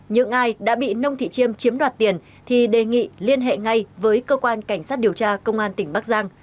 những ai đã bị nông thị chiêm chiếm đoạt tiền thì đề nghị liên hệ ngay với cơ quan cảnh sát điều tra công an tỉnh bắc giang